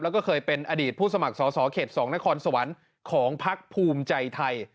แล้วก็เคยเป็นอดีตผู้สมัครสอสอเขต๒นครสวรรค์ของพักภูมิใจไทย